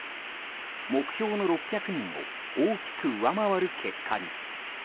目標の６００人を大きく上回る結果に。